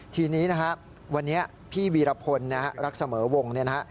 ทีนี้นะฮะวันนี้พี่วีรพลรักเสมอวงศ์